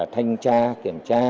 thanh tra kiểm tra